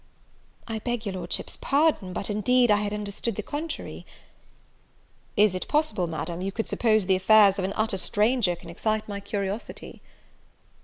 "I beg your Lordship's pardon, but indeed I had understood the contrary." "Is it possible, Madam, you could suppose the affairs of an utter stranger can excite my curiosity?"